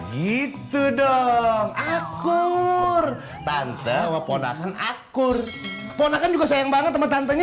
gitu dong aku pantalla akur akur musikan juga sayang banget sama tantenya